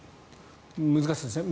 難しいですね。